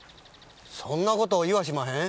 そんな事言わしまへん。